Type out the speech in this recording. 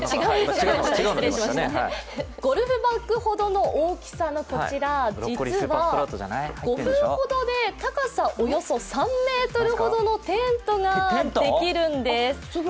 ゴルフバッグほどの大きさのこちら、実は５分ほどで高さおよそ３ｍほどのテントができるんです。